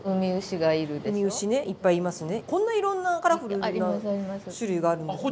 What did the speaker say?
こんないろんなカラフルな種類があるんですね。